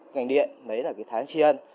ngành điện đấy là cái tháng tri ân